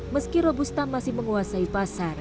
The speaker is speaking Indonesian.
meski robusta masih menguasai pasar